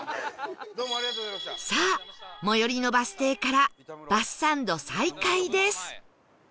さあ最寄りのバス停からバスサンド再開です